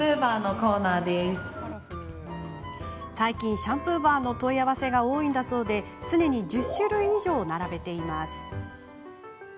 最近、シャンプーバーの問い合わせが多いんだそうで常に１０種類以上、並べています。